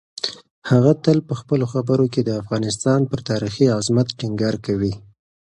هغه تل په خپلو خبرو کې د افغانستان پر تاریخي عظمت ټینګار کوي.